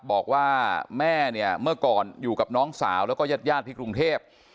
บอกว่าแม่เนี่ยเมื่อก่อนอยู่กับน้องสาวแล้วก็ญาติญาติที่กรุงเทพ